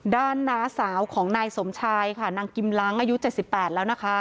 น้าสาวของนายสมชายค่ะนางกิมล้างอายุ๗๘แล้วนะคะ